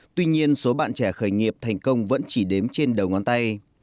tuy nhiên số bạn trẻ khởi nghiệp thành công vẫn chỉ đếm trên đầu ngón tay